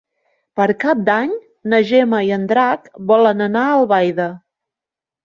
Per Cap d'Any na Gemma i en Drac volen anar a Albaida.